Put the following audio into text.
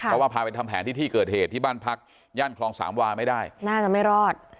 เพราะว่าพาไปทำแผนที่ที่เกิดเหตุที่บ้านพักย่านคลองสามวาไม่ได้น่าจะไม่รอด